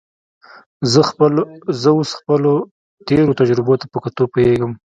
زه اوس خپلو تېرو تجربو ته په کتو پوهېږم.